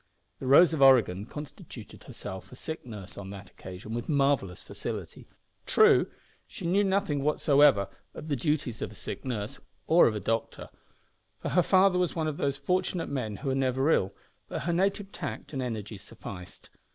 The Rose of Oregon constituted herself a sick nurse on that occasion with marvellous facility. True, she knew nothing whatever about the duties of a sick nurse or a doctor, for her father was one of those fortunate men who are never ill, but her native tact and energy sufficed.